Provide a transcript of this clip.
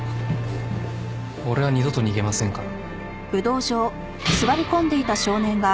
俺は二度と逃げませんから。